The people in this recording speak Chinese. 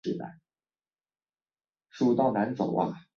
拉谢兹人口变化图示